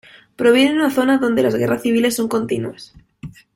Proviene de una zona donde las guerras civiles son continuas.